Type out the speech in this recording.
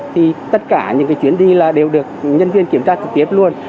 thì tất cả những chuyến đi là đều được nhân viên kiểm tra trực tiếp luôn